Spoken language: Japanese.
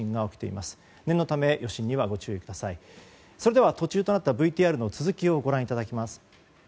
では、途中となったＶＴＲの続きをご覧いただきます。